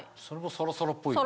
サラサラっぽいよね。